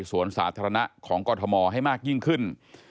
สวนสาธารณะของกรทมให้มากยิ่งขึ้น